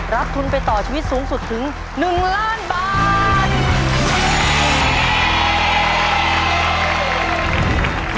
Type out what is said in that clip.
รับทุนไปต่อชีวิตสูงสุดถึง๑ล้านบาท